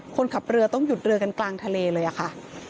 คนขับเรือต้องหยุดเรือกันกลางทะเลเลยอะค่ะ